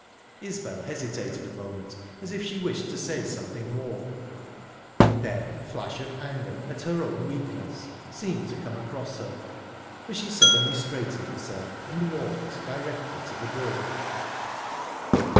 Isbel hesitated a moment, as if she wished to say something more, then a flash of anger at her own weakness seemed to come across her, for she suddenly straightened herself, and walked directly to the door.